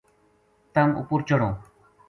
تم اپر چڑھوں‘‘